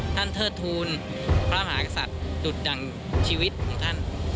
เทิดทูลพระมหากษัตริย์จุดดั่งชีวิตของท่าน